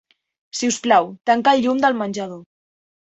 Sisplau, tanca el llum del menjador.